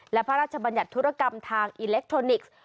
และพระราชบัญญัติธุรกรรมทางอิเล็กทรอนิกส์